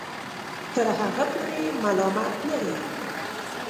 تر هغه پورې ملامت نه یې